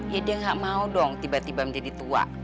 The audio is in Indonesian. ya dia gak mau dong tiba tiba menjadi tua